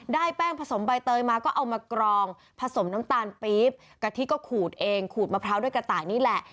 ได้แป้งผสมใบเตยมาก็เอามากรองผสมน้ำตาลปี๊บกะทิก็ขูดเองขูดมะพร้าวด้วยกระต่ายนี่แหละ